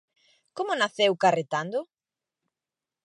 Como naceu "Carretando"?